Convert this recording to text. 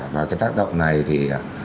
và cái tác động này thì